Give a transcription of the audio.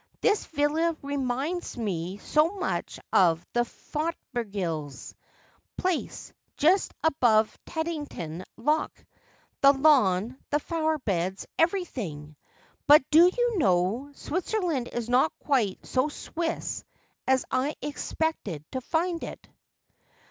' This villa remini.ls me so much of the Fothergills' place just above Teddington Lock — the lawn — the flowerbeds — everything. But.doyou know, Switzerland is not quite so Swiss as I expected to find it.'